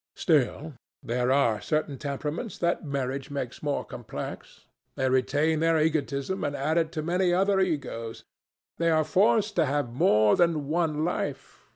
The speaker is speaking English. Still, there are certain temperaments that marriage makes more complex. They retain their egotism, and add to it many other egos. They are forced to have more than one life.